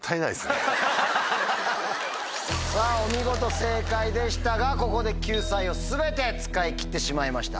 さぁお見事正解でしたがここで救済を全て使い切ってしまいました。